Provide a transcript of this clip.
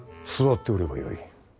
座っておればよい。